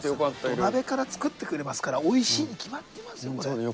土鍋から作ってくれますからおいしいに決まってますよ